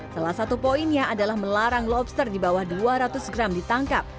salah satu poinnya adalah melarang lobster di bawah dua ratus gram ditangkap